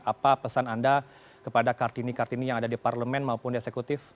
apa pesan anda kepada kartini kartini yang ada di parlemen maupun di eksekutif